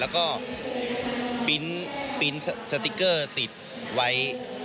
ก็ปริ้นสติกเกอร์ติดไว้